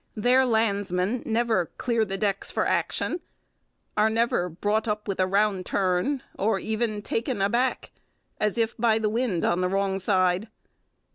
Their landsmen never 'clear the decks for action,' are never 'brought up with a round turn,' or even 'taken aback,' as if by the wind on the wrong side.